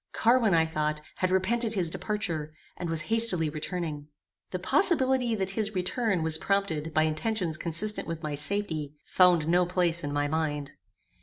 Carwin, I thought, had repented his departure, and was hastily returning. The possibility that his return was prompted by intentions consistent with my safety, found no place in my mind.